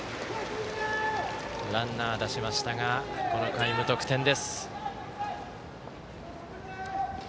ランナー出しましたがこの回、無得点です。